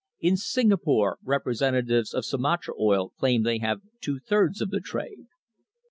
In Singapore representatives of Sumatra oil claim that they have two thirds of the trade.